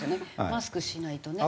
マスクしないとね。